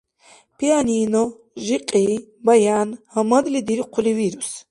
Пианино, жикьи, баян гьамадли дирхъули вирус.